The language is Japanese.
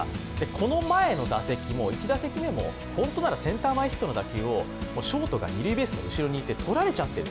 この前の打席も１打席目も、本当ならセンター前ヒットの打席をショートが二塁ベースの後ろにいて取られちゃってる。